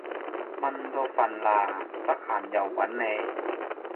蚊都瞓喇，得閒又搵你